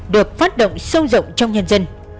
được phát động sâu rộng trong nhân dân